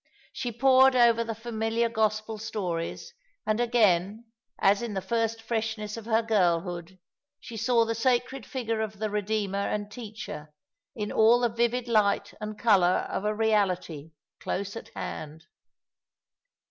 She pored over the familiar Gospel stories, and again, as in the first freshness of her girlhood, she saw the sacred figure of the Eedeemer and Teacher in all the vivid light and colour of a reality, close at hand.